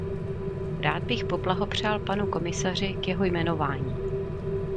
Rád bych poblahopřál panu komisaři k jeho jmenování.